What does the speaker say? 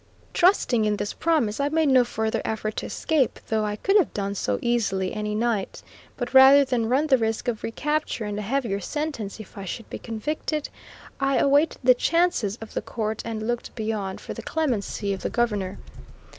Trusting in this promise, I made no further effort to escape though I could have done so easily any night; but rather than run the risk of recapture, and a heavier sentence if I should be convicted, I awaited the chances of the court, and looked beyond for the clemency of the Governor.